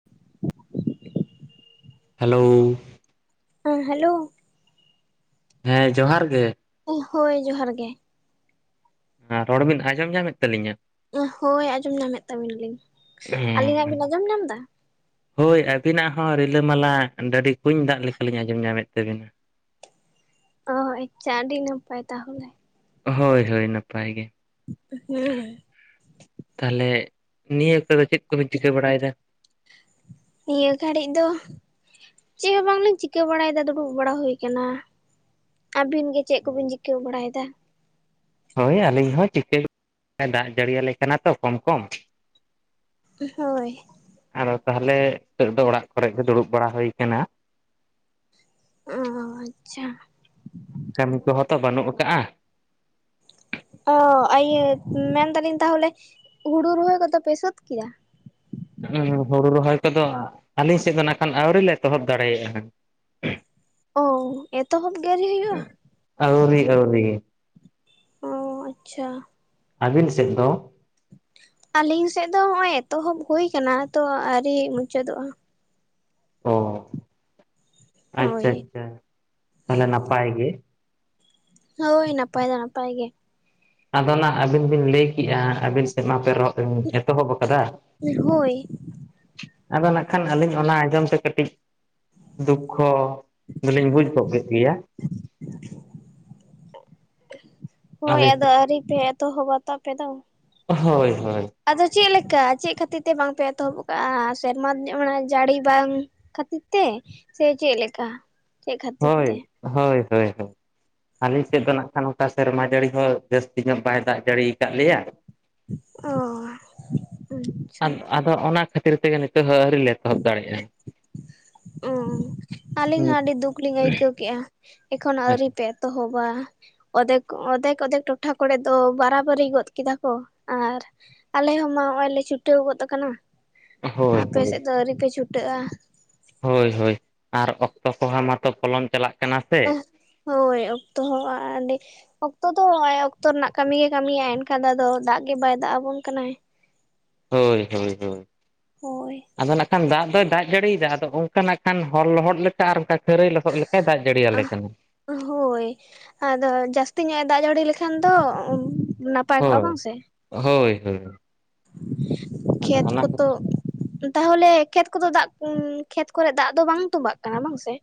[inaudible] Hello ᱦᱮᱸ, hello. ᱦᱮᱸ ᱡᱚᱦᱟᱨ ᱜᱮ᱾ ᱦᱳᱭ ᱦᱳᱭ ᱡᱚᱦᱟᱨ ᱜᱮ᱾ ᱟᱸ ᱨᱚᱲ ᱵᱤᱱ ᱟᱸᱡᱚᱢ ᱧᱟᱢᱮᱫ ᱛᱟᱹᱞᱤᱧᱟ? ᱦᱳᱭ ᱟᱸᱡᱚᱢ ᱧᱟᱢᱮᱫ ᱛᱟᱵᱤᱱᱟᱞᱤᱤᱧ᱾ ᱟᱹᱞᱤᱧᱟᱜ ᱵᱤᱱ ᱟᱸᱡᱚᱢ ᱧᱟᱢᱫᱟ? ᱦᱳᱭ ᱟᱹᱵᱤᱱᱟᱜ ᱦᱚᱸ ᱨᱤᱞᱟᱹᱢᱟᱞᱟ ᱰᱟᱹᱰᱤ ᱠᱩᱧ ᱫᱟᱜ ᱞᱮᱠᱟᱞᱤᱧ ᱟᱸᱡᱚᱢ ᱧᱟᱢᱮᱫ ᱛᱟᱹᱵᱤᱱᱟ᱾ ᱚ, ᱟᱪᱪᱷᱟ ᱟᱹᱰᱤ ᱱᱟᱯᱟᱭ ᱛᱟᱦᱚᱞᱮ᱾ ᱦᱳᱭ ᱦᱳᱭ ᱱᱟᱯᱟᱭ ᱜᱮ᱾ ᱦᱮᱸ᱾ ᱛᱟᱦᱞᱮ ᱱᱤᱭᱟᱹ ᱚᱠᱛᱚ ᱫᱚ ᱪᱮᱫ ᱠᱚᱵᱤᱱ ᱪᱤᱠᱟᱹ ᱵᱟᱲᱟᱭᱫᱟ? ᱱᱤᱭᱟᱹ ᱜᱷᱟᱹᱲᱤᱡ ᱫᱚ ᱪᱮᱫ ᱦᱚᱸ ᱵᱟᱝᱞᱤᱧ ᱪᱤᱠᱟᱹ ᱵᱟᱲᱟᱭᱫᱟ ᱫᱩᱲᱩᱵ ᱵᱟᱲᱟ ᱦᱩᱭ ᱠᱟᱱᱟ᱾ ᱟᱹᱵᱤᱱ ᱜᱮ ᱪᱮᱫ ᱠᱚᱵᱤᱱ ᱪᱤᱠᱟᱹ ᱵᱟᱲᱟᱭᱮᱫᱟ? ᱦᱳᱭ ᱟᱹᱞᱤᱧ ᱦᱚᱸ ᱪᱤᱠᱟᱹ ᱫᱟᱜ ᱡᱟᱹᱲᱤᱭᱟᱞᱮ ᱠᱟᱱᱟ ᱛᱚ ᱠᱚᱢ ᱠᱚᱢ᱾ ᱩᱸ, ᱦᱳᱭ᱾ ᱟᱫᱚ ᱛᱟᱦᱞᱮ ᱦᱤᱸᱛᱳᱜ ᱫᱚ ᱚᱲᱟᱜ ᱠᱚᱨᱮ ᱜᱮ ᱫᱩᱲᱩᱵ ᱵᱟᱲᱟ ᱦᱩᱭ ᱠᱟᱱᱟ᱾ ᱚ ᱟᱪᱪᱷᱟ, ᱠᱟᱹᱢᱤ ᱠᱚᱦᱚᱸ ᱛᱚ ᱵᱟᱹᱱᱩᱜ ᱠᱟᱜ-ᱟ᱾ ᱚ ᱟᱤᱭᱟᱹ ᱢᱮᱱᱫᱟᱞᱤᱧ ᱛᱟᱦᱚᱞᱮ ᱦᱩᱲᱩ ᱨᱚᱦᱚᱭ ᱠᱚᱫᱚᱯᱮ ᱥᱟᱹᱛ ᱠᱮᱭᱟ? ᱦᱩᱸ ᱦᱩᱲᱩ ᱨᱚᱦᱚᱭ ᱠᱚᱫᱚ ᱟᱹᱞᱤᱥᱮᱫ ᱫᱚ ᱱᱟ ᱠᱷᱟᱱ ᱟᱹᱣᱨᱤ ᱞᱮ ᱮᱚᱦᱚᱵ ᱫᱟᱲᱮᱭᱟᱜᱼᱟ᱾ [unintelligible] ᱚ ᱮᱛᱚᱦᱚᱵ ᱜᱮ ᱟᱹᱣᱨᱤ ᱦᱩᱭᱩᱜ-ᱟ? ᱟᱹᱣᱨᱤ ᱟᱹᱣᱨᱤ᱾ ᱚᱻ ᱟᱪᱪᱷᱟ᱾ ᱟᱹᱵᱤᱱ ᱥᱮᱫ ᱫᱚ? ᱟᱞᱤᱧ ᱥᱮᱫ ᱫᱚ ᱦᱚᱜ-ᱚᱭ ᱮᱛᱚᱦᱚᱵ ᱦᱩᱭ ᱠᱟᱱᱟ ᱛᱚ ᱟᱹᱣᱨᱤ ᱢᱩᱪᱟᱹᱫᱚᱜᱼᱟ᱾ ᱚ ᱟᱪᱪᱷᱟ ᱦᱳᱭ ᱟᱪᱪᱷᱟ ᱛᱟᱦᱞᱮ ᱱᱟᱯᱟᱭ ᱜᱮ᱾ ᱦᱳᱭ ᱱᱟᱯᱟᱭ ᱫᱚ ᱱᱟᱯᱟᱭ ᱜᱮ᱾ ᱟᱫᱚ ᱱᱟᱜ ᱟᱹᱵᱤᱱ ᱵᱤᱱ ᱞᱟᱹᱭ ᱠᱤᱜᱼᱟ ᱟᱹᱵᱤᱱ ᱥᱮᱫ ᱢᱟ ᱯᱮ [inaudible] ᱮᱛᱚᱦᱚᱵ ᱟᱠᱟᱫᱟ ᱦᱳᱭ ᱟᱫᱚ ᱱᱟᱜᱠᱷᱟᱱ ᱟᱹᱞᱤᱧ ᱚᱱᱟ ᱟᱸᱡᱚᱢ ᱛᱮ ᱠᱟᱹᱴᱤᱡ᱾ ᱫᱩᱠᱠᱷᱚ ᱫᱚᱞᱤᱧ ᱵᱩᱡᱽ ᱜᱚᱜ ᱠᱮᱫ ᱜᱮᱭᱟ᱾ [unintelligible] ᱦᱳᱭ ᱟᱹᱞᱤᱧ ᱟᱫᱚ ᱥᱮᱫ ᱟᱹᱣᱨᱤ ᱯᱮ ᱮᱛᱚᱦᱚᱵ ᱟᱛᱚ ᱟᱯᱮ ᱫᱚ? ᱦᱳᱭ ᱦᱳᱭ᱾ ᱟᱫᱚ ᱪᱮᱫ ᱞᱮᱠᱟ ᱪᱮᱫ ᱠᱷᱟᱹᱛᱤᱨ ᱛᱮ ᱵᱟᱝᱯᱮ ᱮᱛᱚᱦᱚᱵ ᱠᱟᱜᱼᱟ ᱥᱮᱨᱢᱟ ᱢᱟᱱᱮ ᱡᱟᱹᱲᱤ ᱵᱟᱝ? ᱠᱷᱟᱹᱛᱤᱨ ᱛᱮ ᱥᱮ ᱪᱮ ᱞᱮᱠᱟ? ᱪᱮᱫ ᱠᱷᱟᱹᱛᱤᱨ ᱛᱮ ᱦᱳᱭ ᱦᱳᱭ ᱦᱳᱭ ᱦᱳᱭ᱾ ᱟᱞᱮᱥᱤᱫ ᱫᱚ ᱠᱷᱟᱱ ᱚᱱᱠᱟ ᱥᱮᱨᱢᱟ ᱡᱟᱹᱲᱤ ᱦᱚᱸ ᱡᱟᱹᱥᱛᱤ ᱧᱚᱜ ᱵᱟᱭ ᱫᱟᱜ ᱡᱟᱹᱲᱤᱠᱟᱜ ᱞᱮᱭᱟ᱾ ᱚ ᱟᱪᱪᱷᱟ ᱟᱫ ᱟᱫᱚ ᱚᱱᱟ ᱠᱷᱟᱹᱛᱤᱨ ᱛᱮᱜᱮ ᱱᱤᱛᱳᱜ ᱦᱚᱹ᱾ ᱞᱮ ᱮᱛᱚᱦᱚᱵ ᱫᱟᱲᱮᱼᱟ᱾ ᱚᱸ ᱟᱹᱞᱤᱧ ᱦᱚᱸ ᱟᱹᱰᱤ ᱫᱩᱠ ᱞᱤᱧ ᱟᱹᱭᱠᱟᱹᱣ ᱠᱮᱜᱼᱟ ᱮᱠᱷᱚᱱ ᱟᱹᱣᱨᱤ ᱯᱮ ᱛᱚᱦᱚᱵᱟ᱾ ᱚᱫᱷᱮᱠ ᱚᱫᱷᱮᱠ ᱚᱫᱷᱮᱠ ᱴᱚᱴᱷᱟ ᱠᱚᱨᱮ ᱫᱚ ᱵᱟᱨᱟᱵᱟᱨᱤ ᱜᱚᱫ ᱠᱮᱫᱟ ᱠᱚ ᱟᱨ, ᱟᱞᱮ ᱦᱚᱸᱢᱟ ᱦᱚᱜᱼᱚᱭ ᱞᱮ ᱪᱷᱩᱴᱟᱹᱣ ᱜᱚᱫ ᱠᱟᱱᱟ ᱦᱳᱭ ᱟᱯᱮ ᱦᱳᱭ ᱥᱮᱫ ᱫᱚ ᱟᱹᱣᱨᱤᱯᱮ ᱪᱷᱩᱴᱟᱹᱜᱼᱟ᱾ ᱦᱳᱭ ᱦᱳᱭ ᱟᱨ ᱚᱠᱛᱚ ᱠᱚᱦᱚᱸ ᱢᱟᱛᱚ ᱯᱚᱞᱚᱢ ᱪᱟᱞᱟᱜ ᱠᱟᱱᱟ ᱥᱮ᱾ ᱦᱳᱭ ᱚᱠᱛᱚ ᱦᱚᱸ ᱟ ᱟᱸᱰᱤ᱾ ᱚᱠᱛᱚ ᱫᱚ ᱟᱭᱜ ᱚᱠᱛᱚ ᱨᱮᱱᱟᱜ ᱠᱟᱹᱢᱤ ᱜᱮ ᱠᱟᱹᱢᱤᱟᱭ ᱮᱱᱠᱷᱟᱱ ᱫᱚ ᱟᱫᱚ ᱫᱟᱜ ᱜᱮ ᱵᱟᱭ ᱫᱟᱜ ᱟᱵᱚᱱ ᱠᱟᱱᱟᱭ᱾ ᱦᱳᱭ ᱦᱳᱭ ᱦᱳᱭ᱾ ᱦᱳᱭ᱾ ᱟᱫᱚ ᱱᱟᱠᱷᱟᱱ ᱫᱟᱜ ᱫᱚᱭ ᱫᱟᱜ ᱡᱟᱹᱲᱤᱭᱮᱫᱟ ᱟᱫᱚ ᱚᱱᱠᱟ ᱱᱟᱜ ᱠᱷᱟᱱ ᱦᱚᱲ ᱞᱚᱦᱚᱫ ᱞᱮᱠ ᱠᱟ ᱟᱨ ᱚᱱᱠᱟ ᱠᱷᱟᱹᱨᱟᱹᱭ ᱞᱚᱥᱚᱫ ᱞᱮᱠᱟᱭ ᱫᱟᱜ ᱡᱟᱹᱲᱤᱭᱟᱞᱮ ᱠᱟᱱᱟ᱾ ᱦᱳᱭ ᱟᱫᱚ ᱡᱟᱹᱥᱛᱤ ᱧᱚᱜ-ᱮ ᱫᱟᱜ ᱡᱟᱹᱲᱤ ᱞᱮᱠᱷᱟᱱ ᱫᱚ ᱱᱟᱯ ᱯᱟᱭ ᱠᱚᱜᱼᱟ ᱦᱳᱭ ᱵᱟᱝ ᱥᱮ? ᱦᱳᱭ ᱦᱳᱭ᱾ ᱟᱫᱚ ᱠᱷᱮᱛ ᱚᱱᱟ ᱠᱚᱛᱚ, ᱠᱷᱟᱹᱛᱤᱨ ᱛᱟᱦᱚᱞᱮ ᱠᱷᱮᱛ ᱠᱚᱫᱚ ᱫᱟᱜ [inaudible] ᱠᱷᱮᱛ ᱠᱚᱨᱮ ᱫᱟᱜ ᱫᱚ ᱵᱟᱝ ᱛᱚᱢᱵᱟᱜ ᱠᱟᱱᱟ ᱵᱟᱝᱥᱮ?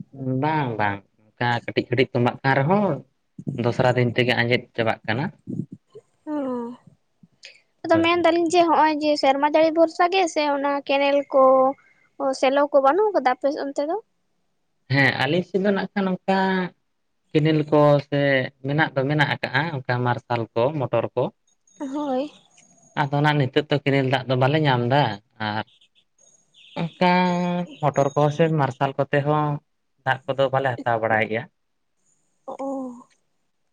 ᱵᱟᱝ ᱵᱟᱝ ᱚᱱᱠᱟ ᱠᱟᱹᱴᱤᱡ ᱠᱟᱹᱴᱤᱡ ᱛᱚᱢᱵᱟᱜ ᱠᱟᱱ ᱨᱮᱦᱚᱸ, ᱫᱷᱚᱥᱨᱟ ᱫᱤᱱ ᱛᱮᱜᱮ ᱟᱸᱡᱮᱫ ᱪᱟᱵᱟᱜ ᱠᱟᱱᱟ᱾ ᱚᱸ ᱟᱫᱚ ᱦᱳᱭ ᱦᱳᱭ ᱢᱮᱱᱫᱟᱞᱤᱧ ᱡᱮ ᱦᱚᱸᱜᱼᱚᱭ ᱡᱮ ᱥᱮᱨᱢᱟ ᱫᱟᱹᱲᱤ ᱵᱷᱚᱨᱥᱟ ᱜᱮ ᱥᱮ ᱚᱱᱟ ᱠᱮᱱᱮᱞ ᱠᱚ? ᱚ ᱥᱮᱞᱚ ᱠᱚ ᱵᱟᱹᱱᱩᱜ ᱠᱟᱫᱟ ᱟᱯᱮ ᱚᱱᱛᱮ ᱫᱚ? ᱦᱮᱸ ᱟᱹᱞᱤᱧ ᱥᱮᱫ ᱫᱚ ᱱᱟᱜ ᱠᱷᱟᱱ ᱚᱱᱠᱟ ᱠᱮᱱᱮᱞ ᱠᱚ ᱥᱮ ᱢᱮᱱᱟᱜ ᱫᱚ ᱢᱮᱱᱟᱜ ᱟᱠᱟᱜᱼᱟ ᱚᱱᱠᱟ ᱢᱟᱨᱥᱟᱞ ᱠᱚ ᱢᱚᱴᱚᱨ ᱠᱚ᱾ ᱦᱳᱭ᱾ ᱟᱫᱚ ᱱᱟᱜ ᱱᱤᱛᱳᱜ ᱛᱚ ᱠᱮᱱᱮᱞ ᱫᱟᱜ ᱫᱚ ᱵᱟᱞᱮ ᱧᱟᱢ ᱮᱫᱟ ᱟᱨ ᱚᱱᱠᱟ ᱢᱚᱴᱚᱨ ᱠᱚᱦᱚᱸ ᱥᱮ ᱢᱟᱨᱥᱟᱞ ᱠᱚᱛᱮ ᱦᱚᱸ ᱫᱟᱜ ᱠᱚᱫᱚ ᱵᱟᱞᱮ ᱦᱟᱛᱟᱣ ᱵᱟᱲᱟᱭ ᱜᱮᱭᱟ᱾ ᱚ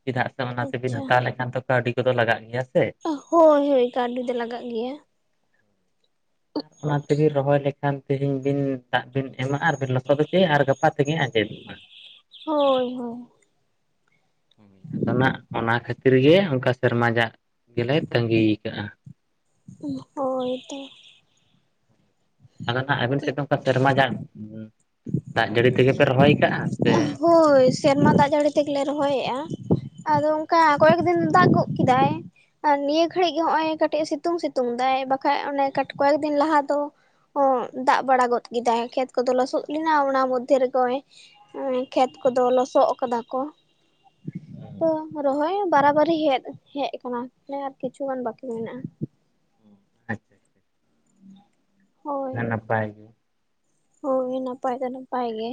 ᱪᱮᱫᱟᱜ ᱥᱮ ᱚᱱᱟ ᱛᱮᱵᱤᱱ ᱟᱪᱪᱷᱟ ᱦᱟᱛᱟᱣ ᱞᱮᱠᱷᱟᱱ ᱛᱚ ᱠᱟᱹᱣᱰᱤ ᱠᱚᱫᱚ ᱞᱟᱜᱟᱜ ᱜᱮᱭᱟ ᱥᱮ᱾ ᱚ ᱦᱳᱭ ᱦᱳᱭ ᱠᱟᱹᱣᱰᱤ ᱫᱚ ᱞᱟᱜᱟᱜ ᱜᱮᱭᱟ᱾ [inaudible] ᱚᱱᱟ ᱛᱮᱵᱤᱱ ᱨᱚᱦᱚᱭ ᱞᱮᱠᱷᱟᱱ ᱛᱤᱦᱤᱧ ᱵᱤᱱ ᱫᱟᱜ ᱵᱤᱱ ᱮᱢᱟᱜ-ᱟ ᱟᱨ ᱵᱤᱱ ᱞᱚᱥᱚᱫ ᱚᱪᱚᱭᱟ ᱟᱨ ᱜᱟᱯ ᱟ ᱛᱮᱜᱮ ᱟᱸᱡᱮᱫᱚᱜᱼᱟ᱾ ᱦᱳᱭ ᱦᱳᱭ᱾ [inaudible] ᱚᱱᱟ ᱚᱱᱟ ᱠᱷᱟᱹᱛᱤᱨ ᱜᱮ ᱚᱱᱠᱟ ᱥᱮᱨᱢᱟ ᱡᱟᱜ ᱜᱮᱞᱮ ᱛᱟᱺᱜᱤ ᱠᱟᱜᱼᱟ᱾ ᱦᱳᱭ ᱛᱚ᱾ ᱟᱫᱚ ᱱᱟᱦᱟᱜ ᱟᱵᱤᱱ ᱥᱮᱫ ᱫᱚ ᱚᱱᱠᱟ ᱥᱮᱨᱢᱟ ᱡᱟᱜ, ᱫᱟᱜ ᱡᱟᱹᱲᱤ ᱛᱮᱜᱮ ᱯᱮ ᱨᱚᱦᱚᱭ ᱠᱟᱜᱼᱟ? ᱥᱮ ᱮᱸ ᱦᱳᱭ᱾ ᱥᱮᱨᱢᱟ ᱫᱟᱜ ᱡᱟᱹᱲᱤ ᱛᱮᱜᱮ ᱞᱮ ᱨᱚᱦᱚᱭᱮᱜᱼᱟ, ᱟᱫᱚ ᱚᱱᱠᱟ ᱠᱚᱭᱮᱠ ᱫᱤᱱ ᱫᱟᱜ ᱜᱚᱫᱽ ᱠᱮᱫᱟᱭ᱾ ᱟᱨ ᱱᱤᱭᱟᱹ ᱜᱷᱟᱹᱲᱤᱡ ᱜᱮ ᱦᱚᱸᱜ-ᱚᱭ ᱠᱟᱹᱴᱤᱡ ᱥᱤᱛᱩᱝ ᱥᱤᱛᱩᱝ ᱫᱟᱭ ᱵᱟᱠᱷᱟᱡ ᱚᱱᱮ ᱠᱟᱴ ᱠᱚᱭᱮᱠ ᱫᱤᱱ ᱞᱟᱦᱟ ᱫᱚ ᱚ ᱫᱟᱜ ᱵᱟᱲᱟ ᱜᱚᱫ ᱠᱮᱫᱟᱭ ᱠᱷᱮᱛ ᱠᱚᱫᱚ ᱞᱚᱥᱚᱫ ᱞᱮᱱᱟ ᱚᱱᱟ ᱢᱚᱫᱽᱫᱷᱮ ᱨᱮᱜᱚᱭ ᱚᱭ ᱠᱷᱮᱛ ᱠᱚᱫᱚ ᱞᱚᱥᱚᱫ ᱠᱟᱫᱟ ᱠᱚ ᱟᱫᱚ ᱨᱚᱦᱚᱭ ᱵᱟᱨᱟᱵᱟᱹᱨᱤ ᱦᱮᱡ ᱦᱮᱡ ᱠᱟᱱᱟ ᱛᱟᱦᱞᱮ ᱟᱨ ᱠᱤᱪᱷᱩᱜᱟᱱ ᱵᱟᱹᱠᱤ ᱢᱮᱱᱟᱜᱼᱟ᱾ [inaudible] ᱦᱳᱭ [inaudible] ᱱᱟᱯᱟᱭ ᱦᱳᱭ ᱱᱟᱯᱟᱭ ᱫᱚ ᱱᱟᱯᱟᱭ ᱜᱮ᱾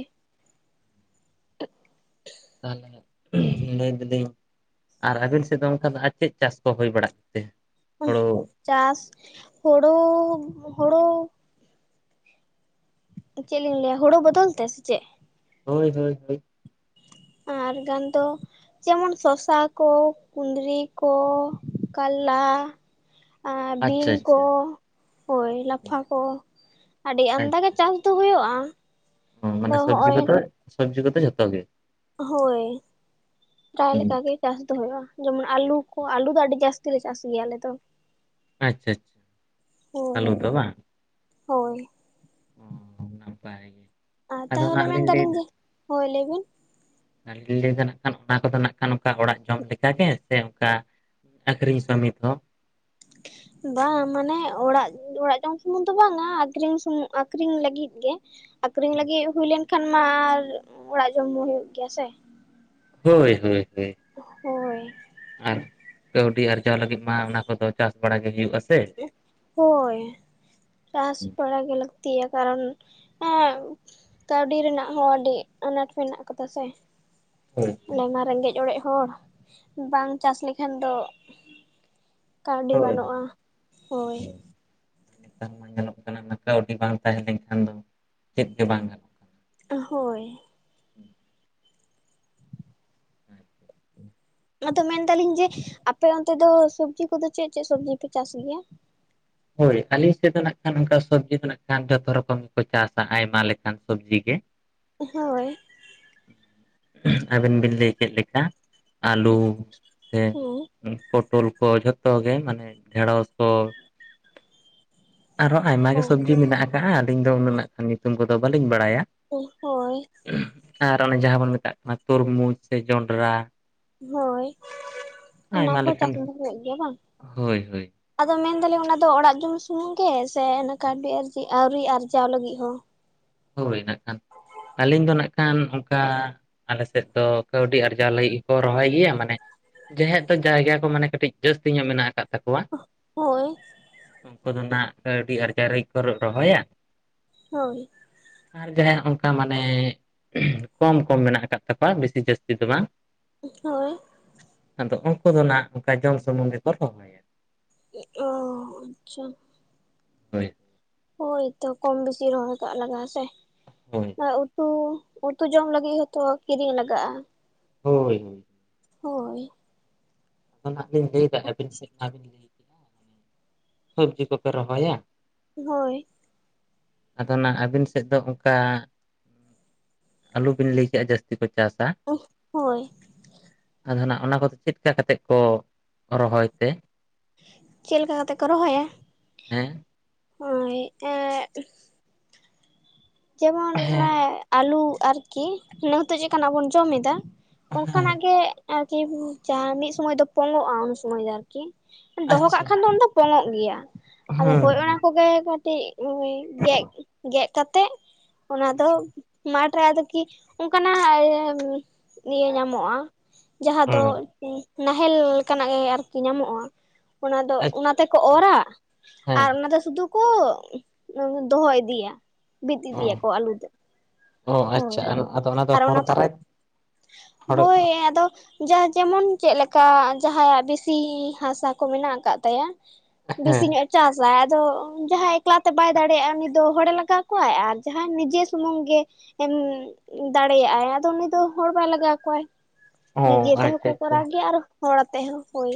[unintelligible] ᱞᱟᱹᱭ ᱫᱟᱞᱤᱧ ᱟᱨ ᱟᱵᱤᱱ ᱥᱮᱫ ᱫᱚ ᱚᱱᱠᱟ ᱫᱚ ᱟᱨ ᱪᱮᱫ ᱪᱟᱥ ᱠᱚ ᱦᱩᱭ ᱵᱟᱲᱟᱜ ᱛᱮ? ᱩᱸ ᱦᱳᱲᱳ ᱪᱟᱥ ᱦᱩᱲᱩ ᱦᱩᱲᱩ ᱪᱮᱫ ᱞᱤᱧ ᱞᱟᱹᱭᱟ, ᱦᱳᱲᱳ ᱵᱚᱫᱚᱞ ᱛᱮ ᱥᱮ ᱪᱮᱫ? ᱦᱳᱭ ᱦᱳᱭ ᱦᱳᱭ᱾ ᱟᱨ ᱜᱟᱱ ᱫᱚ ᱡᱮᱢᱚᱱ ᱥᱚᱥᱟ ᱠᱚ ᱠᱩᱸᱫᱽᱨᱤ ᱠᱚ ᱠᱟᱞᱞᱟ ᱟ ᱵᱤᱱ ᱟᱪᱪᱷᱟ ᱠᱚ, ᱟᱪᱪᱷᱟ ᱦᱳᱭ ᱞᱟᱯᱷᱟ ᱟᱪᱪᱷᱟ ᱠᱚ ᱟᱹᱰᱤ ᱟᱱᱫᱟᱜᱮ ᱪᱟᱥ ᱛᱩ ᱦᱩᱭᱩᱜᱼᱟ? ᱦᱚᱸ ᱢᱟᱱᱮ ᱥᱟᱹᱵᱽᱡᱤ ᱦᱚᱜᱼᱚᱭ ᱠᱚᱫᱚ, ᱥᱟᱹᱵᱽᱡᱤ ᱠᱚᱫᱚ ᱡᱷᱚᱛᱚ ᱜᱮ᱾ ᱦᱳᱭ᱾ ᱯᱨᱟᱭ ᱞᱮᱠᱟ ᱜᱮ ᱪᱟᱥ ᱫᱚ ᱦᱩᱭᱩᱜᱼᱟ, ᱡᱮᱢᱚᱱ ᱟᱞᱩ ᱠᱚ ᱟᱞᱩ ᱫᱚ ᱟᱹᱰᱤ ᱡᱟᱹᱥᱛᱤ ᱞᱮ ᱪᱟᱥ ᱜᱮᱭᱟ ᱟᱞᱮ ᱫᱚ᱾ ᱟᱪᱪᱷᱟ ᱦᱳᱭ ᱟᱞᱩ ᱫᱚ ᱵᱟᱝ? ᱦᱳᱭ᱾ ᱦᱚᱸ ᱱᱟᱯᱟᱭ ᱜᱮ᱾ ᱟᱨ ᱟᱫᱚ ᱛᱟᱦᱚᱞᱮ ᱱᱟᱜ ᱞᱤᱧ ᱢᱮᱱᱫᱟᱞᱤᱧ ᱡᱮ, ᱦᱳᱭ ᱞᱟᱹᱭ ᱵᱤᱱ᱾ ᱟᱞᱤᱧ ᱞᱤᱧ ᱞᱟᱹᱭ ᱫᱚ ᱱᱟᱜ ᱠᱷᱟᱱ ᱚᱱᱟ ᱠᱚᱫᱚ ᱱᱟᱜ ᱠᱷᱟᱱ ᱱᱚᱠᱟ ᱚᱲᱟᱜ ᱡᱚᱢ ᱞᱮᱠᱟᱜᱮ ᱥᱮ ᱚᱱᱠᱟ ᱟᱹᱠᱷᱨᱤᱧ ᱥᱟᱹᱢᱤᱛ ᱦᱚᱸ᱾ ᱵᱟᱝ ᱢᱟᱱᱮ ᱚᱲᱟᱜ ᱚᱲᱟᱜ ᱡᱚᱢ ᱥᱩᱢᱩᱝ ᱫᱚ ᱵᱟᱝᱟ ᱟᱹᱠᱷᱨᱤᱧ ᱥᱩᱢᱩ ᱟᱠᱷᱨᱤᱧ ᱞᱟᱹᱜᱤᱫ ᱜᱮ᱾ ᱟᱠᱷᱨᱤᱧ ᱞᱟᱹᱜᱤᱫ ᱦᱩᱭ ᱞᱮᱱ ᱠᱷᱟᱱ ᱢᱟ ᱟᱨ ᱚᱲᱟᱜ ᱡᱚᱢ ᱢᱟ ᱦᱩᱭᱩᱜ ᱜᱮᱭᱟ ᱥᱮ᱾ ᱦᱳᱭ ᱦᱳᱭ ᱦᱳᱭ᱾ ᱦᱮᱸ᱾ ᱟᱨ ᱠᱟᱹᱣᱰᱤ ᱟᱨᱡᱟᱣ ᱞᱟᱹᱜᱤᱫ ᱢᱟ ᱚᱱᱟ ᱠᱚᱫᱚ ᱪᱟᱥ ᱵᱟᱲᱟ ᱜᱮ ᱦᱩᱭᱩᱜ-ᱟ ᱥᱮ᱾ ᱦᱳᱭ ᱪᱟᱥ ᱵᱟᱲᱟᱟ ᱜᱮ ᱞᱟᱹᱠᱛᱤᱤᱭᱟ ᱠᱟᱨᱚᱱ ᱮᱸ ᱠᱟᱹᱣᱰᱤ ᱨᱮᱱᱟᱜ ᱦᱚᱸ ᱟᱹᱰᱤ ᱟᱱᱟᱴ ᱢᱮᱱᱟᱜ ᱠᱟᱫᱟ ᱥᱮ᱾ ᱦᱳᱭ ᱟᱞᱮ ᱢᱟ ᱨᱮᱸᱜᱮᱡ ᱚᱲᱮᱡ ᱦᱚᱲ ᱵᱟᱝ ᱪᱟᱥ ᱞᱮᱠᱷᱟᱱ ᱫᱚ ᱠᱟᱹᱣᱰᱤ ᱵᱟᱹᱱᱩᱜᱼᱟ ᱦᱳᱭ ᱦᱳᱭ, ᱦᱳᱭ᱾ ᱱᱮᱛᱟᱨ ᱢᱟ ᱧᱮᱞᱚᱜ ᱠᱟᱱᱟ ᱠᱟᱹᱣᱰᱤ ᱵᱟᱝ ᱛᱟᱦᱮᱸ ᱞᱮᱱᱠᱷᱟᱱ ᱫᱚ ᱪᱮᱫ ᱜᱮ ᱵᱟᱝ ᱜᱟᱱᱚᱜ᱾ ᱦᱳᱭ᱾ ᱟᱫᱚ ᱢᱮᱱᱫᱟᱞᱤᱧ ᱡᱮ ᱟᱯᱮ ᱚᱱᱛᱮ ᱫᱚ ᱥᱚᱵᱡᱤ ᱠᱚᱫᱚ ᱪᱮᱫ ᱪᱮᱫ ᱥᱚᱵᱡᱤ ᱯᱮ ᱪᱟᱥ ᱜᱮᱭᱟ? ᱦᱳᱭ ᱟᱞᱮ ᱥᱮᱫ ᱫᱚ ᱱᱟᱜ ᱠᱷᱟᱱ ᱚᱱᱠᱟ ᱥᱚᱵᱡᱤ ᱫᱚ ᱱᱟᱜ ᱠᱷᱟᱱ ᱡᱷᱚᱛᱚ ᱨᱚᱠᱚᱢ ᱜᱮᱠᱚ ᱪᱟᱥᱟ ᱟᱭᱢᱟ ᱞᱮᱠᱟᱱ ᱥᱚᱵᱡᱤ ᱜᱮ᱾ [inaudible] ᱦᱳᱭ᱾ ᱟᱵᱮᱱ ᱵᱤᱱ ᱞᱟᱹᱭ ᱠᱮᱫ ᱞᱮᱠᱟ᱾ ᱟᱹᱞᱩ ᱥᱮ ᱦᱮᱸ ᱯᱚᱴᱚᱞ ᱠᱚ ᱡᱷᱚᱛᱚ ᱜᱮ ᱢᱟᱱᱮ ᱰᱷᱮᱸᱲᱚᱥ ᱠᱚ᱾ ᱟᱨᱦᱚᱸ ᱟᱭᱢᱟ ᱚ ᱜᱮ ᱥᱚᱵᱡᱤ ᱢᱮᱱᱟᱜ ᱠᱟᱜ-ᱟ ᱟᱹᱞᱤᱧ ᱫᱚ ᱱᱟᱜᱠᱷᱟᱱ ᱨ ᱧᱩᱛᱩᱢ ᱠᱚᱫᱚ ᱵᱟᱹᱞᱤᱧ ᱵᱟᱲᱟᱭᱟ᱾ ᱚᱜ ᱦᱳᱭ᱾ ᱟᱨ ᱚᱱᱮ ᱡᱟᱦᱟᱸ ᱵᱚᱱ ᱢᱮᱛᱟᱜ ᱠᱟᱱᱟ ᱛᱩᱨᱢᱩᱡᱽ ᱥᱮ ᱡᱚᱸᱰᱨᱟ᱾ ᱦᱳᱭ ᱚᱱᱟ ᱟᱭᱢᱟ ᱠᱚᱦᱚᱸ ᱪᱟᱥ ᱞᱮᱠᱟᱱ ᱫᱚ ᱦᱩᱭᱩᱜ ᱜᱮᱭᱟ ᱵᱟᱝ? ᱦᱳᱭ ᱦᱳᱭ ᱟᱫᱚ ᱢᱮᱱᱫᱟᱞᱤᱧ ᱚᱱᱟᱫᱚ ᱚᱲᱟᱜ ᱡᱚᱢ ᱥᱩᱢᱩᱝ ᱜᱮ ᱥᱮ ᱠᱟᱹᱣᱰᱤ ᱟᱨᱡᱤ ᱟᱹᱣᱨᱤ ᱟᱨᱡᱟᱣ ᱞᱟᱹᱜᱤᱫ ᱦᱚᱸ? ᱦᱳᱭ ᱱᱟᱜ ᱠᱷᱟᱱ, ᱟᱹᱞᱤᱧ ᱫᱚ ᱱᱟᱜ ᱠᱷᱟᱱ ᱚᱱᱠᱟ ᱟᱞᱮ ᱥᱮᱫ ᱫᱚ ᱠᱟᱹᱣᱰᱤ ᱟᱨᱡᱟᱣ ᱞᱟᱹᱜᱤᱫ ᱜᱮᱠᱚ ᱨᱚᱦᱚᱭ ᱜᱮᱭᱟ ᱢᱟᱱᱮ᱾ ᱡᱟᱦᱟᱸᱭᱟᱜ ᱫᱚ ᱡᱟᱭᱜᱟ ᱠᱚ ᱢᱟᱱᱮ ᱠᱟᱹᱴᱤᱡ ᱡᱟᱹᱥᱛᱤ ᱧᱚᱜ ᱢᱮᱱᱟᱜ ᱟᱠᱟᱫ ᱛᱟᱠᱚᱣᱟ᱾ ᱚᱜ ᱦᱳᱭ᱾ ᱩᱱᱠᱩ ᱫᱚ ᱱᱟᱜ ᱠᱟᱹᱣᱰᱤ ᱟᱨᱡᱟᱣ ᱞᱟᱹᱜᱤᱫ ᱠᱚ ᱨᱚᱦᱚᱭᱟ᱾ ᱦᱳᱭ᱾ ᱟᱨ ᱡᱟᱸᱦᱟᱭᱟᱜ ᱚᱝᱠᱟ ᱢᱟᱱᱮ ᱠᱚᱢ ᱠᱚᱢ ᱢᱮᱱᱟᱜ ᱟᱠᱟᱫ ᱛᱟᱠᱚᱣᱟ ᱵᱮᱥᱤ ᱡᱟᱹᱥᱛᱤ ᱫᱚ ᱵᱟᱝ᱾ ᱦᱳᱭ᱾ ᱟᱫᱚ ᱩᱝᱠᱩ ᱫᱚ ᱱᱟᱜ ᱚᱝᱠᱟ ᱡᱚᱢ ᱥᱩᱢᱩᱝ ᱜᱮᱠᱚ ᱨᱚᱦᱚᱭᱟ᱾ ᱮᱜ ᱚ, ᱟᱪᱪᱷᱟ᱾ ᱦᱳᱭ᱾ ᱦᱳᱭ ᱛᱚ ᱠᱚᱢ ᱵᱤᱥᱤ ᱨᱚᱦᱚᱭ ᱠᱟᱜ ᱞᱟᱜᱟᱜ-ᱟ ᱥᱮ᱾ ᱦᱳᱭ᱾ ᱦᱳᱭ ᱩᱛᱩ, ᱩᱛᱩ ᱡᱚᱢ ᱞᱟᱹᱜᱤᱫ ᱦᱚᱸᱛᱚ ᱠᱤᱨᱤᱧ ᱞᱟᱜᱟᱜ-ᱟ᱾ ᱦᱳᱭ ᱦᱳᱭ᱾ ᱦᱳᱭ᱾ ᱟᱫᱚ ᱱᱟᱦᱟᱜ ᱞᱤᱧ ᱞᱟᱹᱭᱫᱟ ᱟᱹᱵᱤᱱ ᱥᱮᱫ ᱢᱟ ᱵᱤᱱ ᱞᱟᱹᱭ᱾ ᱪᱮᱠᱟ ᱠᱟᱱᱤᱧ ᱥᱚᱵᱡᱤ ᱠᱚᱯᱮ ᱨᱚᱦᱚᱭᱟ᱾ ᱦᱳᱭ᱾ ᱟᱫᱚ ᱱᱟᱜ ᱟᱵᱤᱱ ᱥᱮᱫ ᱫᱚ ᱚᱝᱠᱟ ᱟᱹᱞᱩ ᱵᱤᱱ ᱞᱟᱹᱭ ᱠᱮᱜ-ᱟ ᱡᱟᱹᱥᱛᱤ ᱠᱚ ᱪᱟᱥᱟ ᱦᱳᱭ ᱟᱫᱚ ᱱᱟᱜ ᱚᱱᱟ ᱠᱚᱫᱚ ᱪᱮᱫ ᱪᱮᱫᱠᱟ ᱠᱟᱛᱮᱫ ᱠᱚ ᱨᱚᱦᱚᱭ ᱛᱮ? ᱪᱮᱫ ᱞᱮᱠᱟ ᱠᱟᱛᱮ ᱠᱚ ᱨᱚᱦᱚᱭᱟ? ᱦᱮᱸ ᱦᱳᱭ, ᱮᱜ ᱡᱮᱢᱚᱱ ᱦᱮᱸ ᱚᱱᱮ ᱟᱹᱞᱩ ᱟᱨᱠᱤ [inaudible] ᱪᱮᱫ ᱞᱮᱠᱟᱱᱟᱜ ᱵᱚᱱ ᱡᱚᱢ ᱮᱫᱟ᱾ ᱦᱮᱸ ᱚᱱᱠᱟᱱᱟᱜ ᱜᱮ ᱟᱨᱠᱤ ᱡᱟᱸᱦᱟᱸ ᱢᱤᱫ ᱥᱩᱢᱚᱭ ᱫᱚ ᱯᱚᱝᱜᱚᱜᱼᱟ ᱩᱱ ᱥᱚᱢᱚᱭ ᱫᱚ ᱟᱨᱠᱤ᱾ ᱠᱤ, ᱫᱚᱦᱚ ᱠᱟᱜ ᱟᱪᱪᱷᱟ ᱠᱷᱟᱱ ᱫᱚ ᱚᱱᱟ ᱫᱚ ᱯᱚᱝᱚᱜ ᱜᱮᱭᱟ, ᱦᱮᱸ ᱟᱫᱚ ᱦᱳᱭ ᱚᱱᱟ ᱦᱮᱸ ᱠᱚᱜᱮ ᱠᱟᱹᱴᱤᱡ ᱦᱳᱭ, ᱜᱮᱜ ᱜᱮᱜ ᱠᱟᱛᱮ ᱚᱱᱟ ᱫᱚ ᱟᱪᱪᱷᱟ ᱢᱟᱴ ᱨᱮ ᱟᱫᱚ ᱠᱤ ᱚᱱᱠᱟᱱᱟᱜ [inaudible] ᱤᱭᱟᱹ ᱧᱟᱢᱚᱜ-ᱟ᱾ ᱡᱟᱸᱦᱟ ᱫᱚ ᱦᱮᱸ ᱱᱟᱦᱮᱞ ᱞᱮᱠᱟᱱᱟᱜ ᱜᱮ ᱟᱨᱠᱤ ᱧᱟᱢᱚᱜᱼᱟ᱾ ᱚᱱᱟ ᱫᱚ ᱚᱱᱟ ᱟᱪᱪᱷᱟ ᱛᱮᱠᱚ ᱚᱨᱟ ᱦᱮᱸ ᱟᱨ ᱚᱱᱟ ᱫᱚ ᱥᱩᱫᱩ ᱠᱚ, ᱫᱚᱦᱚ ᱤᱫᱤᱭᱟ ᱵᱤᱫ ᱚ ᱤᱫᱤᱭᱟ ᱠᱚ ᱟᱹᱞᱩ ᱛᱮᱫ᱾ ᱚ ᱟᱪᱪᱷᱟ ᱟᱫᱚ ᱚᱱᱟ ᱫᱚ ᱦᱚᱲ ᱫᱟᱨᱟᱭ ᱦᱚᱲ ᱦᱳᱭ ᱟᱫᱚ ᱡᱟ ᱡᱮᱢᱚᱱ ᱪᱮᱫ ᱞᱮᱠᱟ ᱡᱟᱸᱦᱟᱸᱭᱟᱜ ᱵᱮᱥᱤ ᱦᱟᱥᱟ ᱠᱚ ᱢᱮᱱᱟᱜ ᱟᱠᱟᱫ ᱛᱟᱭᱟ᱾ ᱵᱮᱥᱤ ᱦᱮᱸ ᱧᱚᱜ [inaudible] ᱪᱟᱥᱟᱭ ᱟᱫᱚ ᱡᱟᱸᱦᱟ ᱮᱠᱞᱟᱛᱮ ᱵᱟᱭ ᱫᱟᱲᱮᱭᱟᱜᱼᱟ ᱩᱱᱤ ᱫᱚ ᱦᱚᱲᱮ ᱞᱟᱜᱟᱣ ᱠᱚᱣᱟᱭ ᱟᱨ ᱡᱟᱸᱦᱟᱭ ᱱᱤᱡᱮ ᱥᱩᱢᱩᱝ ᱜᱮ ᱮᱢ ᱫᱟᱲᱮᱭᱟᱜᱼ-ᱟᱭ ᱟᱫᱚ ᱩᱱᱤ ᱫᱚ ᱦᱚᱲ ᱵᱟᱭ ᱞᱟᱜᱟᱣ ᱠᱚᱣᱟᱭ᱾ ᱚ ᱱᱤᱡᱮ ᱛᱮ ᱦᱚᱸ ᱟᱪᱪᱷᱟ ᱠᱚ ᱟᱪᱪᱷᱟ ᱠᱚᱨᱟᱣ ᱜᱮᱭᱟ ᱟᱨ ᱦᱚᱲ ᱟᱛᱮᱜ ᱦᱚᱸ ᱦᱳᱭ,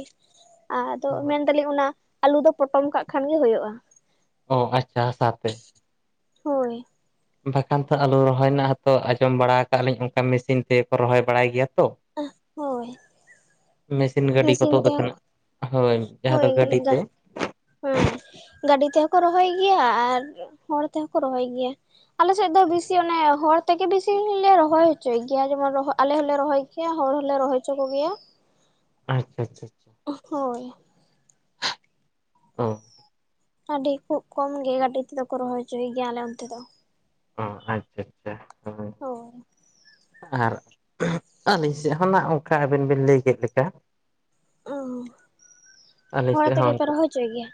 ᱟᱫᱚ ᱢᱮᱱ ᱫᱟᱞᱤᱧ ᱚᱱᱟ ᱟᱞᱩ ᱫᱚ ᱯᱚᱴᱚᱢ ᱠᱟᱜ ᱠᱷᱟᱱ ᱜᱮ ᱦᱳᱭᱳᱜ-ᱟ᱾ ᱚ [inaudible] ᱦᱟᱥᱟ ᱛᱮ᱾ ᱦᱳᱭ᱾ ᱵᱟᱠᱷᱟᱱ ᱛᱚ ᱟᱞᱩ ᱨᱚᱦᱚᱭ ᱨᱮᱱᱟᱜ ᱦᱚᱛᱚ ᱟᱸᱡᱚᱢ ᱵᱟᱲᱟ ᱟᱠᱟᱜ ᱞᱤᱧ ᱚᱱᱠᱟ ᱢᱮᱥᱤᱱ ᱛᱮᱠᱚ ᱨᱚᱦᱚᱭ ᱵᱟᱲᱟᱭ ᱜᱮᱭᱟ ᱛᱚ᱾ [inaudible] ᱦᱳᱭ ᱢᱮᱥᱤᱱ ᱜᱟᱹᱰᱤ ᱠᱚ ᱢᱮᱥᱤᱱ ᱛᱳᱫ ᱛᱮᱦᱚᱸ ᱟᱠᱟᱱᱟ, ᱦᱳᱭ ᱡᱟᱸᱦᱟ ᱫᱚ ᱜᱟᱹᱰᱤ ᱛᱮ᱾ ᱦᱮᱸ, ᱜᱟᱹᱰᱤ ᱛᱮᱦᱚᱸ ᱠᱚ ᱨᱚᱦᱚᱭ ᱜᱮᱭᱟ ᱟᱨ ᱦᱚᱲ ᱛᱮᱦᱚᱸ ᱠᱚ ᱨᱚᱦᱚᱭ ᱜᱮᱭᱟ᱾ ᱟᱞᱮ ᱥᱮᱫ ᱫᱚ ᱵᱤᱥᱤ ᱚᱱᱮ ᱦᱚᱲ ᱛᱮᱜᱮ ᱵᱤᱥᱤ ᱞᱮ ᱨᱚᱦᱚᱭ ᱦᱚᱪᱚᱭ ᱜᱮᱭᱟ, ᱡᱮᱢᱚᱱ ᱟᱞᱮ ᱦᱚᱸᱞᱮ ᱨᱚᱦᱚᱭ ᱜᱮᱭᱟ ᱦᱚᱲ ᱦᱚᱞᱮ ᱨᱚᱦᱚᱭ ᱦᱚᱪᱚ ᱠᱚᱜᱮᱭᱟ᱾ ᱟᱪᱪᱷᱟ ᱟᱪᱷᱟ ᱟᱪᱷᱟ᱾ ᱦᱳᱭ ᱚ ᱟᱹᱰᱤ ᱠᱷᱩᱵ ᱠᱚᱢ ᱜᱮ ᱜᱟᱹᱰᱤ ᱛᱮᱫᱚ ᱠᱚ ᱨᱚᱦᱚᱭ ᱦᱚᱪᱚᱭ ᱜᱮᱭᱟ ᱟᱞᱮ ᱚᱱᱛᱮ ᱫᱚ᱾ ᱚ, ᱟᱪᱪᱷᱟ᱾ ᱦᱳᱭ᱾ ᱟᱨ [inaudible] ᱟᱹᱞᱤᱧ ᱥᱮᱫ ᱦᱚᱸ ᱱᱟᱜ ᱚᱱᱠᱟ ᱟᱵᱮᱱ ᱵᱤᱱ ᱞᱟᱹᱭ ᱠᱮᱫ ᱞᱮᱠᱟ᱾ [inaudible] ᱟᱞᱤᱧ ᱥᱮᱫ ᱦᱚᱸ ᱛᱮᱜᱮ ᱯᱮ ᱚᱱᱠᱟ, ᱨᱚᱦᱚᱭ ᱦᱚᱪᱚᱭ ᱜᱮᱭᱟ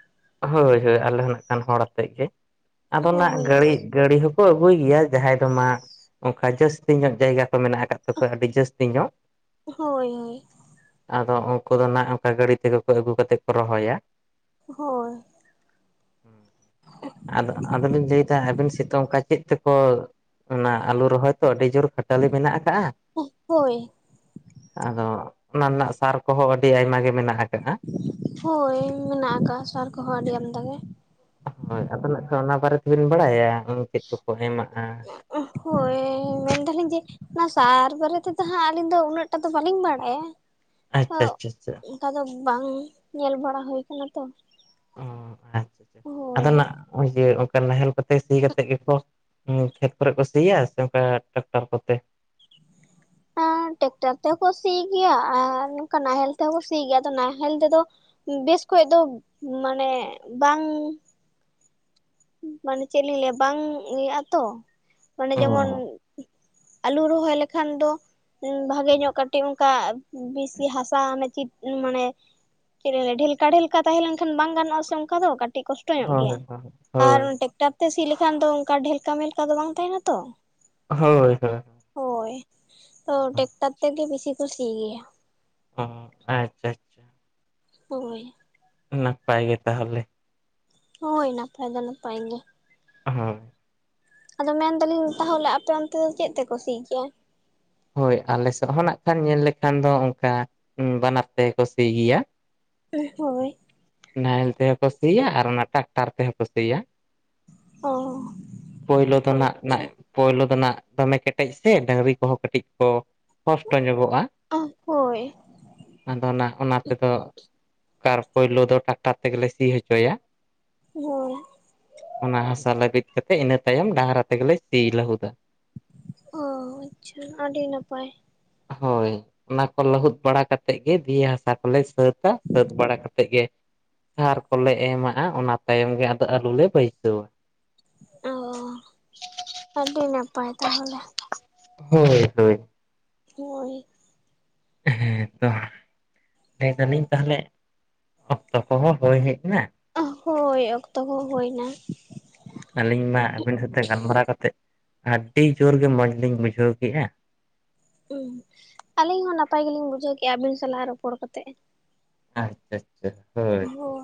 ᱦᱳᱭ ᱦᱳᱭ ᱟᱞᱮ ᱦᱚᱸᱱᱟᱜ ᱠᱷᱟᱱ ᱦᱚᱲ ᱟᱛᱮᱫ ᱜᱮ᱾ ᱟᱫᱚ ᱱᱟᱜ ᱦᱳᱭ ᱛᱚ ᱜᱟᱹᱲᱤ ᱜᱟᱹᱲᱤ ᱦᱳᱠ ᱟ. ᱜᱩ ᱫᱚ ᱟᱹᱜᱩᱭ ᱜᱮᱭᱟ ᱡᱟᱸᱦᱟᱸᱭ ᱫᱚ ᱢᱟ ᱚᱱᱠᱟ ᱡᱚᱥᱛᱤ ᱧᱚᱜ ᱡᱟᱭᱜᱟ ᱠᱚ ᱢᱮᱱᱟᱜ ᱟᱠᱟᱫ᱾ [inaudible] ᱟᱹᱰᱤ ᱡᱟᱹᱥᱛᱤ ᱧᱚᱜ, ᱦᱳᱭ ᱟᱫᱚ ᱩᱱᱠᱩ ᱫᱚ ᱱᱟᱜ ᱚᱱᱠᱟ ᱜᱟᱹᱰᱤ ᱛᱮᱠᱚ [inaudible] ᱟᱹᱜᱩ ᱠᱟᱛᱮᱫ ᱠᱚ ᱨᱚᱦᱚᱭᱟ᱾ ᱦᱳᱭ ᱟᱫᱚ ᱟᱫᱚᱞᱤᱧ ᱞᱟᱹᱭᱫᱟ ᱟᱹᱵᱤᱱ ᱥᱮᱫ ᱚᱱᱠᱟ ᱪᱮᱫ? ᱛᱮᱠᱚ ᱚᱱᱟ ᱟᱞᱩ ᱨᱚᱦᱚᱭ ᱛᱚ ᱟᱹᱰᱤ ᱡᱳᱨ ᱠᱷᱟ. ᱴᱟ. ᱞᱤ ᱢᱮᱱᱟᱜ ᱟᱠᱟᱜ-ᱟ᱾ ᱦᱳᱭ᱾ ᱟᱫᱚ ᱚᱱᱟ ᱨᱮᱱᱟᱜ ᱥᱟᱨ ᱠᱚᱦᱚᱸ ᱟᱹᱰᱤ ᱟᱭᱢᱟ ᱜᱮ ᱢᱮᱱᱟᱜ ᱟᱠᱟᱜ-ᱟ᱾ ᱦᱳᱭ ᱢᱮᱱᱟᱜ ᱟᱠᱟᱜ-ᱟ ᱥᱟᱨ ᱠᱚᱦᱚᱸ ᱟᱹᱰᱤ ᱟᱢᱫᱟ ᱜᱮ᱾ ᱦᱳᱭ ᱟᱫᱚ ᱱᱟᱜ ᱠᱷᱟᱱ ᱚᱱᱟ ᱵᱟᱨᱮ ᱛᱮᱵᱤᱱ ᱵᱟᱲᱟᱭᱟ [unintelligible] ᱪᱮᱫ ᱠᱚᱠᱚ ᱮᱢᱟᱜ-ᱟ? ᱦᱳᱭ ᱢᱮᱱᱫᱟᱞᱤᱧ ᱡᱮ ᱚᱱᱟ ᱥᱟᱨ ᱵᱟᱨᱮ ᱛᱮᱫᱚ ᱦᱟᱸᱜ ᱟᱹᱞᱤᱧ ᱫᱚ ᱩᱱᱟᱹᱜ ᱴᱟ ᱫᱚ ᱵᱟᱹᱞᱤᱧ ᱵᱟᱰᱟᱭᱟ᱾ ᱟᱪᱪᱷᱟ ᱦᱚᱜ ᱟᱪᱪᱷᱟ ᱟᱪᱪᱷᱟ ᱚᱱᱠᱟ ᱫᱚ ᱵᱟᱝ ᱧᱮᱞ ᱵᱟᱲᱟ ᱦᱩᱭ ᱠᱟᱱᱟ ᱛᱚ, ᱚ ᱟᱪᱪᱷᱟ ᱟᱪᱪᱷᱟ ᱟᱫᱚ ᱦᱳᱭ ᱱᱟᱜ ᱤᱭᱟᱹ ᱚᱱᱠᱟ ᱱᱟᱦᱮᱞ ᱠᱚᱛᱮ ᱥᱤ ᱠᱟᱛᱮᱜ ᱜᱮᱠᱚ ᱦᱩᱸ ᱠᱷᱮᱛ ᱠᱚᱨᱮ ᱠᱚ ᱥᱤᱭᱟ ᱥᱮ ᱚᱱᱠᱟ ᱴᱟᱠᱴᱟᱨ ᱠᱚᱛᱮ? ᱟᱸ ᱴᱮᱠᱴᱟᱨ ᱛᱮᱦᱚᱸ ᱠᱚ ᱥᱤ ᱜᱮᱭᱟ ᱟᱨ ᱱᱚᱝᱠᱟ ᱱᱟᱦᱮᱞ ᱛᱮᱦᱚᱸ ᱠᱚ ᱥᱤ ᱜᱮᱭᱟ ᱟᱫᱚ ᱱᱟᱦᱮᱞ ᱛᱮᱫᱚ, ᱵᱮᱥ ᱠᱷᱚᱭ ᱫᱚ ᱢᱟᱱᱮ ᱵᱟᱝ ᱢᱟᱱᱮ ᱪᱮᱜ ᱞᱤᱧ ᱞᱟᱹᱭᱟ ᱵᱟᱝ ᱤᱭᱟᱹᱜᱼᱟ ᱛᱚ ᱢᱟᱱᱮ ᱚ ᱡᱮᱢᱚᱱ ᱟᱹᱞᱩ ᱨᱚᱦᱚᱭ ᱞᱮᱠᱷᱟᱱ ᱫᱚ ᱵᱷᱟᱜᱮ ᱧᱚᱜ ᱠᱟᱹᱴᱤᱜ ᱚᱱᱠᱟ ᱵᱮᱥᱤ ᱦᱟᱥᱟ ᱢᱟᱱᱮ ᱪᱤᱯ ᱢᱟᱱᱮ, ᱪᱮᱫ [unintelligible] ᱰᱷᱮᱞᱠᱟ ᱰᱷᱮᱞᱠᱟ ᱛᱟᱦᱮᱸ ᱞᱮᱱᱠᱷᱟᱱ ᱵᱟᱝ ᱜᱟᱱᱚᱜ-ᱟ ᱥᱮ ᱚᱱᱠᱟ ᱫᱚ ᱠᱟᱹᱴᱤᱜ ᱠᱚᱥᱴᱚ ᱧᱚᱜ ᱜᱮᱭᱟ᱾ ᱦᱳᱭ ᱟᱨ ᱦᱳᱭ ᱴᱮᱠᱴᱟᱨ ᱛᱮ ᱥᱤ ᱞᱮᱠᱷᱟᱱ ᱫᱚ ᱚᱱ ᱰᱷᱮᱞᱠᱟ ᱢᱮᱞᱠᱟ ᱫᱚ ᱵᱟᱝ ᱛᱟᱦᱮᱱᱟ ᱛᱚ, ᱦᱳᱭ ᱦᱳᱭ᱾ ᱦᱳᱭ ᱛᱚ ᱴᱮᱠᱴᱟᱨ ᱛᱮᱜᱮ ᱵᱤᱥᱤ ᱠᱚ ᱥᱤ ᱜᱮᱭᱟ᱾ ᱚᱸ ᱟ ᱪᱷᱟᱡ, ᱩᱭ ᱱᱟᱯᱟᱭ ᱜᱮ ᱛᱟᱦᱚᱞᱮ, ᱦᱳᱭ ᱱᱟᱯᱟᱭ ᱫᱚ ᱱᱟᱯᱟᱭ ᱜᱮ᱾ [unintelligible] ᱟᱫᱚ ᱢᱮᱱᱫᱟᱞᱤᱧ ᱛᱟᱦᱚᱞᱮ ᱟᱯᱮ ᱚᱱᱛᱮ ᱫᱚ ᱪᱮᱫ ᱛᱮᱠᱚ ᱥᱤ ᱜᱮᱭᱟ? ᱦᱳᱭ ᱟᱞᱮᱥᱮᱜ ᱦᱚᱸ ᱱᱟᱜ ᱠᱷᱟᱱ ᱧᱮᱞ ᱞᱮᱠᱷᱟᱱ ᱫᱚ ᱚᱝᱠᱟ ᱵᱟᱱᱟᱨ ᱛᱮᱜᱮ ᱠᱚ ᱥᱤ ᱜᱮᱭᱟ᱾ ᱮᱸ ᱦᱳᱭ ᱱᱟᱦᱮᱞ ᱛᱮᱦᱚᱸ ᱠᱚ ᱥᱤᱭᱟ ᱟᱨ ᱚᱱᱟ ᱴᱟᱠᱴᱟᱨ ᱛᱮᱦᱚᱸ ᱠᱚ ᱥᱤᱭᱟ᱾ ᱚ ᱯᱳᱭᱞᱳ ᱫᱚ ᱱᱟᱜᱼᱱᱟᱜ ᱟᱪᱪᱷᱟ ᱯᱳᱭᱞᱳ ᱫᱚ ᱱᱟᱜ ᱫᱚᱢᱮ ᱠᱮᱴᱮᱡ ᱥᱮ ᱰᱟᱝᱨᱤ ᱠᱚᱦᱚᱸ ᱠᱟᱹᱴᱤᱜ ᱠᱚ ᱠᱚᱥᱴᱚ ᱧᱚᱜᱚᱜᱼᱟ᱾ ᱦᱳᱭ ᱟᱫᱚ ᱱᱟᱜ ᱚᱱᱟ ᱛᱮᱫᱚ ᱛᱟᱨ ᱯᱩᱭᱞᱳ ᱫᱚ ᱴᱟᱠᱴᱟᱨ ᱛᱮᱜᱮ ᱥᱤ ᱦᱚᱪᱚᱭᱟ᱾ ᱦᱳᱭ, ᱚᱱᱟ ᱦᱟᱥᱟ ᱞᱟᱹᱵᱤᱫ ᱠᱟᱛᱮᱜ ᱤᱱᱟᱹ ᱛᱟᱭᱚᱢ ᱰᱟᱝᱨᱟ ᱛᱮᱜᱮᱞᱮ ᱥᱤ ᱞᱟᱹᱦᱩᱫᱟ᱾ ᱚᱻ ᱟᱪᱪᱷᱟ ᱟᱹᱰᱤ ᱱᱟᱯᱟᱭ, ᱦᱳᱭ ᱚᱱᱟᱠᱚ ᱞᱟᱹᱦᱩᱫ ᱵᱟᱲᱟ ᱠᱟᱛᱮᱜ ᱜᱮ ᱫᱤᱭᱮ ᱦᱟᱥᱟ ᱠᱚᱞᱮ ᱥᱟᱹᱛ ᱛᱟ ᱥᱟᱹᱛ ᱵᱟᱲᱟ ᱠᱟᱛᱮᱜ ᱜᱮ ᱥᱟᱨ ᱠᱚᱞᱮ ᱮᱢ ᱟᱜᱼᱟ ᱚᱱᱟ ᱛᱟᱭᱚᱢ ᱜᱮ ᱟᱫᱚ ᱟᱹᱞᱩ ᱞᱮ ᱵᱟᱹᱭᱥᱟᱹᱣᱟ᱾ ᱚᱻᱟᱹᱰᱤ ᱱᱟᱯᱟᱭ ᱛᱟᱦᱚᱞᱮ ᱦᱳᱭ ᱦᱳᱭ᱾ ᱦᱳᱭ, ᱦᱮᱸ ᱛᱚ ᱞᱮᱭᱫᱟᱹᱤᱧ ᱛᱟᱦᱚᱞᱮ ᱚᱠᱛᱚ ᱠᱚᱦᱚᱸ ᱦᱳᱭ ᱦᱮᱜ ᱱᱟ ᱦᱳᱭ ᱚᱠᱛᱚ ᱠᱚᱦᱚᱸ ᱦᱩᱭᱱᱟ᱾ ᱟᱹᱞᱤᱧ ᱢᱟ ᱟᱹᱵᱮᱱ ᱥᱟᱛᱮᱜ ᱜᱟᱞᱢᱟᱨᱟᱣ ᱠᱟᱛᱮᱜ ᱟᱹᱰᱰᱤ ᱡᱳᱨ ᱜᱮ ᱢᱚᱸᱡᱽ ᱞᱤᱧ ᱵᱩᱡᱷᱟᱹᱣ ᱠᱮᱜᱼᱟ᱾ ᱩᱸ ᱟᱹᱞᱤᱧ ᱦᱚᱸ ᱱᱟᱯᱟᱭ ᱜᱮᱞᱤᱧ ᱵᱩᱡᱷᱟᱹᱣ ᱠᱮᱜᱼᱟ ᱟᱹᱵᱤᱱ ᱥᱟᱞᱟᱜ ᱨᱚᱯᱚᱲ ᱠᱟᱛᱮᱜ᱾ ᱟᱪᱪᱷᱟ ᱪᱷᱟ ᱦᱳᱭ ᱦᱳᱭ,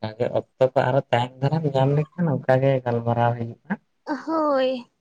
ᱛᱟᱦᱚᱞᱮ ᱚᱠᱛᱚ ᱠᱚ ᱟᱨᱚ ᱛᱟᱭᱚᱢ ᱫᱷᱟᱨᱟᱢ ᱧᱟᱢ ᱞᱮᱝᱠᱷᱟᱱ ᱚᱝᱠᱟ ᱜᱮ ᱜᱟᱞᱢᱟᱨᱟᱣ ᱦᱩᱭᱩᱜ ᱦᱟᱸᱜ, ᱦᱳᱭ᱾